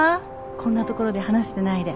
こんな所で話してないで。